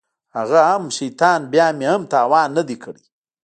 هغه هم شيطان بيا مې هم تاوان نه دى کړى.